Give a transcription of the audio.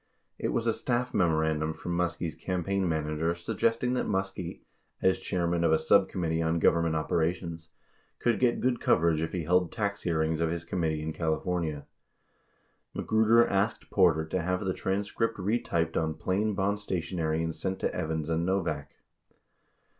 It was a staff memo randum from Muskie's campaign manager suggesting that Muskie, as chairman of a subcommittee on Government operations, could get good coverage if he held tax hearings of his committee in California. Magruder asked Porter to have the transcript retyped on plain bond stationery and sent to Evans and Novak.